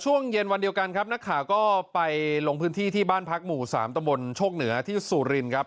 ช่วงเย็นวันเดียวกันครับนักข่าวก็ไปลงพื้นที่ที่บ้านพักหมู่๓ตะบนโชคเหนือที่สุรินครับ